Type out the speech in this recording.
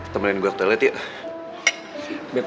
temenin gue waktu elit yuk